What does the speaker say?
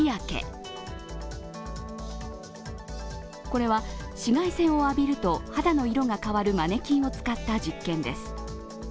これは紫外線を浴びると肌の色が変わるマネキンを使った実験です。